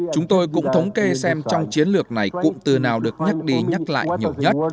chúng tôi cũng thống kê xem trong chiến lược này cụm từ nào được nhắc đi nhắc lại nhiều nhất